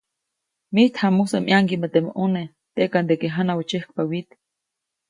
‒Mijt jamusä ʼmaŋgiʼmä teʼ ʼmune, teʼkandeke janawä tsäjkpa wyit-.